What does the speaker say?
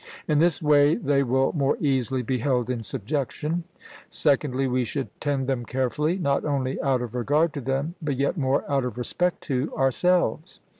in this way they will more easily be held in subjection: secondly, we should tend them carefully, not only out of regard to them, but yet more out of respect to ourselves.